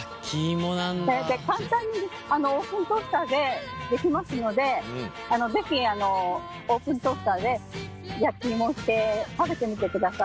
簡単にオーブントースターでできますので是非オーブントースターで焼き芋をして食べてみてください。